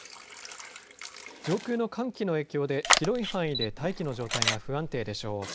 上空の寒気の影響で広い範囲で大気の状態が不安定でしょう。